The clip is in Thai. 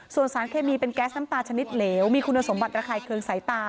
ส่วนสารเคมีเป็นแก๊สน้ำตาชนิดเหลวมีคุณสมบัติระคายเครื่องสายตา